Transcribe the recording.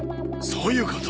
そういうこと。